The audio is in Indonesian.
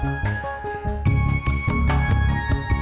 untuk meninjau kerja sama si opera